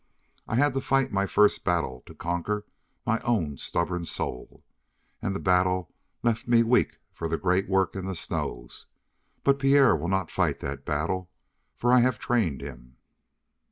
I had to fight my first battle to conquer my own stubborn soul, and the battle left me weak for the great work in the snows, but Pierre will not fight that battle, for I have trained him.